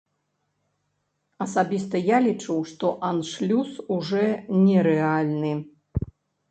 Асабіста я лічу, што аншлюс ужо нерэальны.